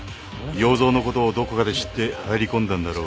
要造のことをどこかで知って入り込んだんだろう。